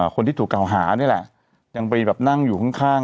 คนที่ถูกเก่าหานี่แหละยังไปแบบนั่งอยู่ข้าง